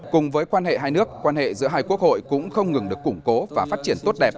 cùng với quan hệ hai nước quan hệ giữa hai quốc hội cũng không ngừng được củng cố và phát triển tốt đẹp